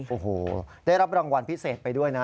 โอ้โหได้รับรางวัลพิเศษไปด้วยนะ